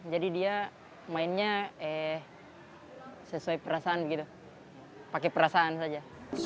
jadi dia mainnya sesuai perasaan gitu pakai perasaan saja